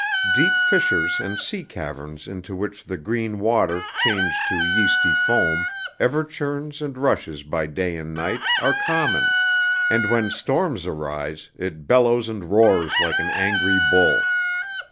Deep fissures and sea caverns into which the green water, changed to yeasty foam, ever churns and rushes by day and night, are common; and when storms arise it bellows and roars like an angry bull.